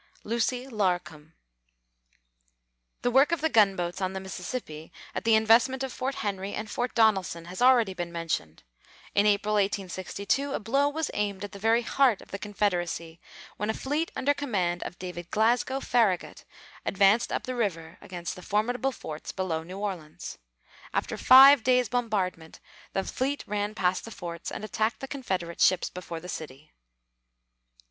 LUCY LARCOM. The work of the gunboats on the Mississippi at the investment of Fort Henry and Fort Donelson has been already mentioned. In April, 1862, a blow was aimed at the very heart of the Confederacy, when a fleet under command of David Glasgow Farragut advanced up the river against the formidable forts below New Orleans. After five days' bombardment, the fleet ran past the forts and attacked the Confederate ships before the city.